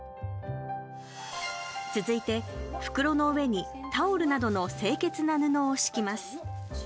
続いて、袋の上にタオルなどの清潔な布を敷きます。